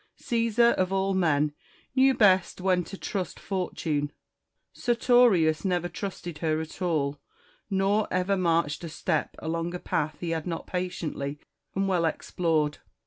Caesar, of all men, knew best when to trust Fortune : Sertorius never trusted her at all, nor ever marched a step along a path he had not patiently and well explored.